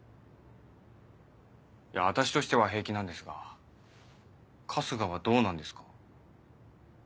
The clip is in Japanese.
私としては平気なんですが春日はどうなんですか？